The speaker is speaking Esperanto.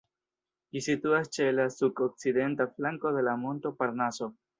Ĝi situas ĉe la sud-okcidenta flanko de la monto Parnaso.